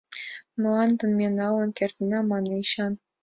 — Мландым ме налын кертына, — мане Эчан.